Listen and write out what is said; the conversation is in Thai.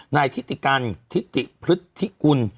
นายทิติกัณฑ์ทิติพฤทธิกุล